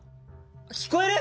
聞こえる？